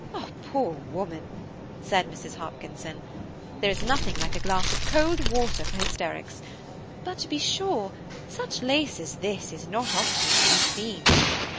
"Poor woman!" said Mrs. Hopkinson, "there is nothing like a glass of cold water for hysterics; but to be sure, such lace as this is not often to be seen.